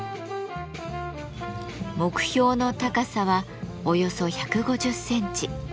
目標の高さはおよそ１５０センチ。